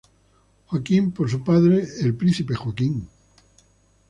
Joachim por su padre, el príncipe Joaquín.